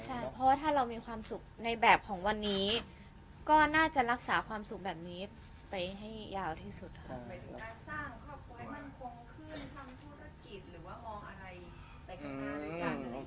ใช่เพราะว่าถ้าเรามีความสุขในแบบของวันนี้ก็น่าจะรักษาความสุขแบบนี้ไปให้ยาวที่สุดค่ะ